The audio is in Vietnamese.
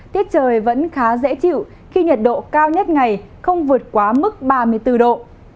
tiết trời vẫn khá dễ chịu khi nhiệt độ cao nhất ngày không vượt quá mức ba mươi bốn độ